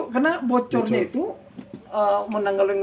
karena bocornya itu